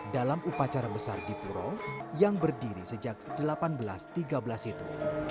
dalam upacara besar di puro yang berdiri sejak seribu delapan ratus tiga belas itu